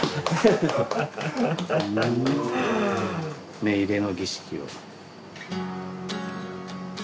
目入れの儀式を。